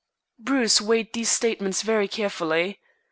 Bruce weighed these statements very carefully.